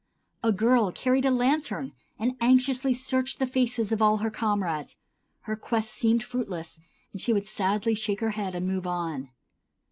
A girl carried a lantern and anxiously searched the faces of all her comrades; her quest seemed fruitless, and she would sadly shake her head and move on.